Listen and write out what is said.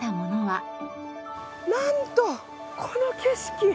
なんとこの景色！